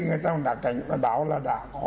người ta cũng đã cảnh báo là đã có